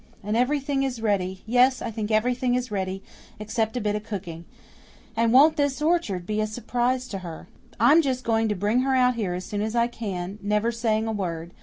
And everything is ready. Yes, I think everything is ready, except a bit of cooking. And won't this orchard be a surprise to her! I'm just going to bring her out here as soon as I can, never saying a word.